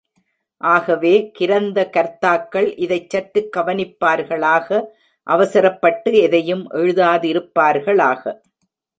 ஆகவே, கிரந்த கர்த்தாக்கள் இதைச் சற்றுக் கவனிப்பார்களாக அவசரப்பட்டு எதையும் எழுதாதிருப்பார்களாக.